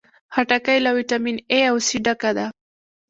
خټکی له ویټامین A او C ډکه ده.